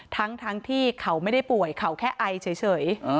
ทั้งที่เขาไม่ได้ป่วยเขาแค่ไอเฉย